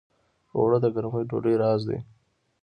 اوړه د ګرمې ډوډۍ راز دي